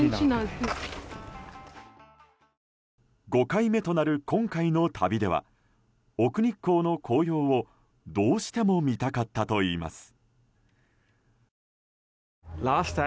５回目となる今回の旅では奥日光の紅葉をどうしても見たかったといいます。